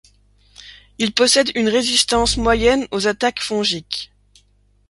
Il possède une résistance moyenne aux attaques fongiques.